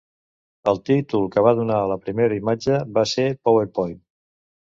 El títol que va donar a la primera imatge va ser Power Point.